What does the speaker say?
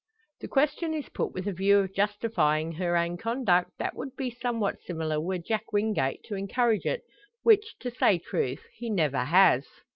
The question is put with a view of justifying her own conduct, that would be somewhat similar were Jack Wingate to encourage it, which, to say truth, he never has.